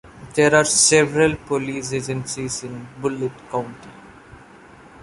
There are several police agencies in Bullitt County.